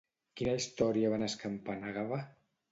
Quina història va anar escampant Àgave?